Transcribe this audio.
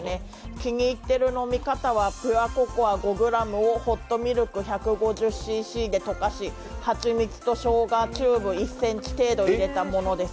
気に入っている飲み方はピュアココア５００ｇをホットミルク１５０ｃｃで溶かし蜂蜜としょうがのチューブを１ｃｍ程度入れることです。